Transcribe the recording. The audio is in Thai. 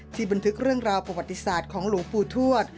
บันทึกเรื่องราวประวัติศาสตร์ของหลวงปู่ทวด